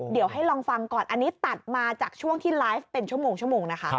เดี๋ยวให้ลองฟังก่อนอันนี้ตัดมาจากช่วงที่ไลฟ์เป็นชั่วโมงนะคะ